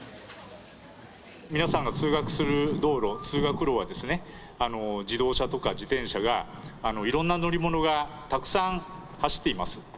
皆さんが通学する道路、通学路はですね、自動車とか自転車が、いろんな乗り物がたくさん走っています。